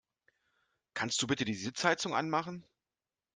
Kannst du bitte die Sitzheizung anmachen?